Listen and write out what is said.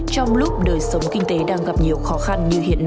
trong lúc đời sống kinh tế đang gặp nhiều khó khăn như hiện nay